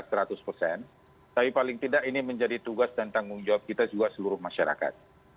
tapi paling tidak ini menjadi tugas dan tanggung jawab kita juga seluruh masyarakat